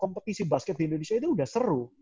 kompetisi basket di indonesia itu sudah seru